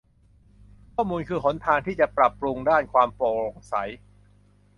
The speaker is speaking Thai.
ข้อมูลคือหนทางที่จะปรับปรุงด้านความโปร่งใส